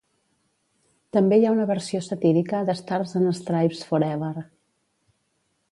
També hi ha una versió satírica de Stars and Stripes Forever.